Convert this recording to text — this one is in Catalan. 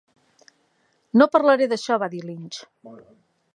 "No parlaré d'això," va dir Lynch.